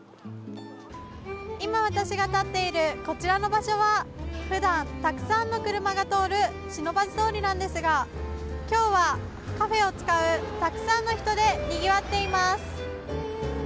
今、私が立っているこちらの場所は普段、たくさんの車が通る不忍通りなんですが今日はカフェを使うたくさんの人でにぎわっています。